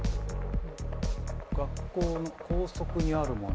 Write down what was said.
学校の校則にあるもの。